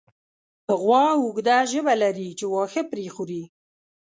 غوا اوږده ژبه لري چې واښه پرې خوري.